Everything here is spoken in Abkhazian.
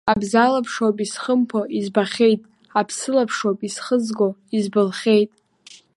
Абзалаԥшоуп исхымԥо избахьеит, аԥсылаԥшоуп исхызго избылхьеит!